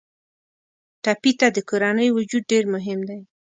ټپي ته د کورنۍ وجود ډېر مهم دی.